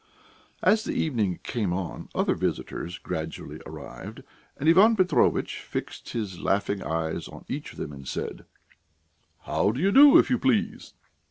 As the evening came on, other visitors gradually arrived, and Ivan Petrovitch fixed his laughing eyes on each of them and said: "How do you do, if you please?"